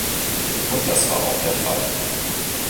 Und das war auch der Fall.